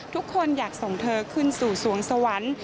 ทุกคนอยากส่งเธอขึ้นสู่สวงสวรรค์